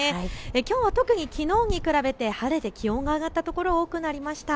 きょうは特にきのうに比べて晴れて気温が上がった所多くなりました。